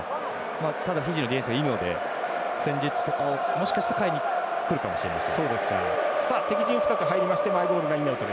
ただ、フィジーのディフェンスがいいので、戦術をもしかしたら変えてくるかもしれないです。